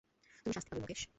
তুমি শাস্তি পাবে মুকেশ।